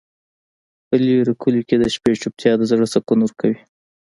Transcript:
په لرې کلیو کې د شپې چوپتیا د زړه سکون ورکوي.